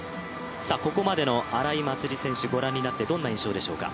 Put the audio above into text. ここまでの荒井祭里選手をご覧になってどんな印象でしょうか？